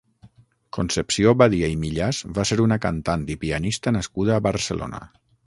Concepció Badia i Millàs va ser una cantant i pianista nascuda a Barcelona.